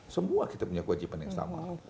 semua kita punya kewajiban yang sama